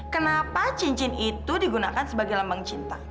kenapa cincin itu digunakan sebagai lambang cinta